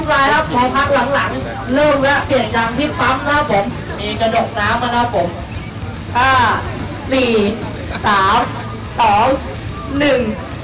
พอพักหลัง